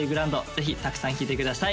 ぜひたくさん聴いてください